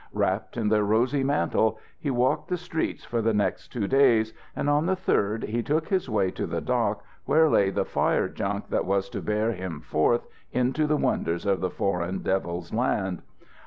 Wrapped in their rosy mantle, he walked the streets for the next two days, and on the third he took his way to the dock where lay the fire junk that was to bear him forth into the wonders of the Foreign Devils' land.